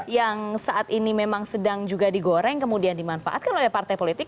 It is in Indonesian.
yang saat ini memang sedang juga digoreng kemudian dimanfaatkan oleh partai politik